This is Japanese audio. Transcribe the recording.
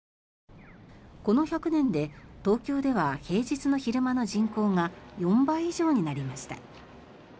この１００年で東京では平日の昼間の人口が４倍以上になりました。